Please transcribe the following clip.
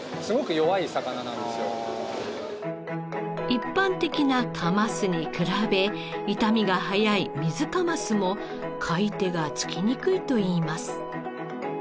一般的なカマスに比べ傷みが早いミズカマスも買い手がつきにくいといいます。